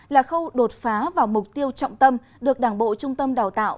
là khâu đột phá vào mục tiêu trọng tâm được đảng bộ trung tâm đào tạo